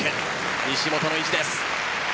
西本の意地です。